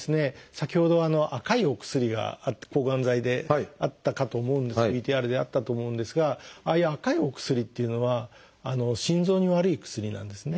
先ほど赤いお薬が抗がん剤であったかと思うんですがＶＴＲであったと思うんですがああいう赤いお薬っていうのは心臓に悪い薬なんですね。